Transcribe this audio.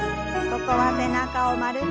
ここは背中を丸く。